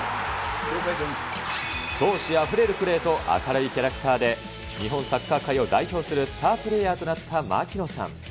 闘志あふれるプレーと明るいキャラクターで、日本サッカー界を代表するスタープレーヤーとなった槙野さん。